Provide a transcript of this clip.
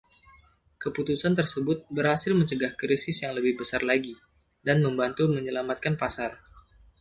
Keputusan tersebut berhasil mencegah krisis yang lebih besar lagi dan membantu menyelamatkan pasar.